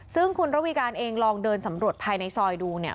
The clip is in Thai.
ซึ่งคุณระวีการเองลองเดินสำรวจภายในซอยดูเนี่ย